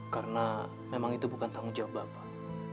karena memang itu bukan tanggung jawab bapak